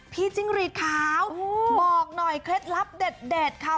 จิ้งรีดขาวบอกหน่อยเคล็ดลับเด็ดค่ะ